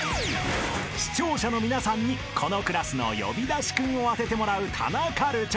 ［視聴者の皆さんにこのクラスの呼び出しクンを当ててもらうタナカルチョ］